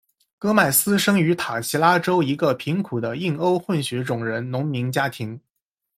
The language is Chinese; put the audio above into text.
戈麦斯生于塔奇拉州一个贫苦的印欧混血种人农民家庭。